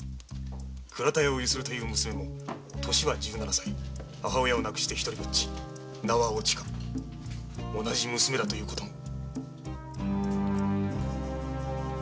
倉田屋をゆするという娘も年は十七歳母を亡くして独りぼっち名はおちか同じ娘だということも。